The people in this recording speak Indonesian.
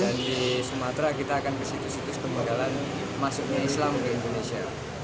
dan di sumatera kita akan ke situs situs pemegalan masuknya islam ke indonesia